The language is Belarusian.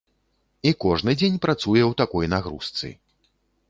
І кожны дзень працуе ў такой нагрузцы.